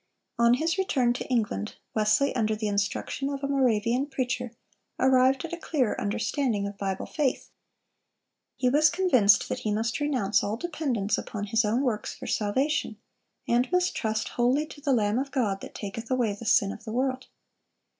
(372) On his return to England, Wesley, under the instruction of a Moravian preacher, arrived at a clearer understanding of Bible faith. He was convinced that he must renounce all dependence upon his own works for salvation, and must trust wholly to the "Lamb of God that taketh away the sin of the world."